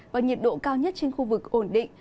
và nhiệt độ cao nhất trên khu vực ổn định